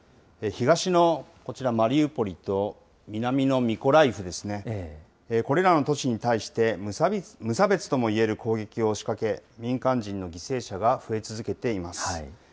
東のこちら、マリウポリと南のミコライフですね、これらの都市に対して無差別ともいえる攻撃を仕掛け、民間人の犠牲者が増え続けています。